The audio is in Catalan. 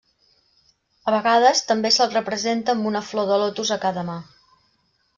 A vegades també se'l representa amb una flor de lotus a cada mà.